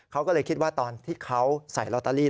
เขาก็เลยคิดว่าตอนที่เขาใส่ลอตเตอรี่